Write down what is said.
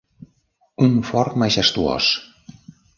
Un fort majestuós.